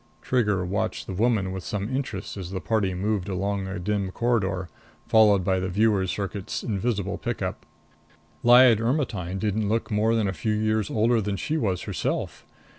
Trigger watched the woman with some interest as the party moved along a dim corridor, followed by the viewer circuit's invisible pick up. Lyad Ermetyne didn't look more than a few years older than she was herself.